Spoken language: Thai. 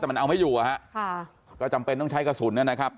แต่มันเอาไม่อยู่อ่ะฮะค่ะก็จำเป็นต้องใช้กระสุนนะครับ